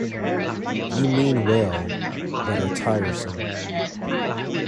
You mean well, but are tiresome.